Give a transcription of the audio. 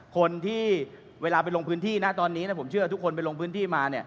คนที่เวลาไปลงพื้นที่นะตอนนี้ผมเชื่อทุกคนไปลงพื้นที่มา